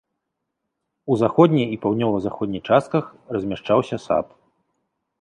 У заходняй і паўднёва-заходняй частках размяшчаўся сад.